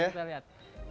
oke kita lihat